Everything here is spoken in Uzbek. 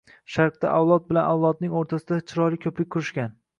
Sharqda avlod bilan avlodning o‘rtasiga chiroyli ko‘prik qurishgan